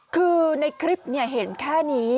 คือในคลิปเห็นแค่นี้